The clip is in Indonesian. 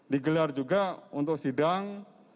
digelar juga untuk sidang